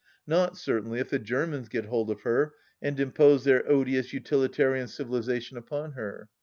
Not, certainly, if the Germans get hold of her and impose their odious utilitarian civilization upon her.